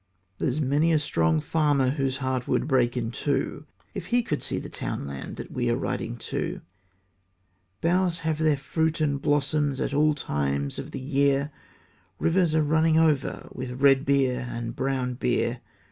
There's many a strong farmer Whose heart would break in two, If he could see the townland That we are riding to; Boughs have their fruit and blossom At all times of the year; Rivers are running over With red beer and brown beer.